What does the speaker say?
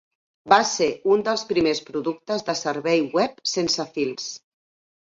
Va ser un dels primers productes de servei web sense fils.